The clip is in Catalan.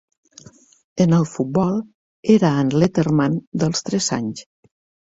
En el futbol, era en Letterman dels tres anys.